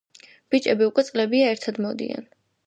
ბიჭები უკვე წლებია, ერთად მოდიან.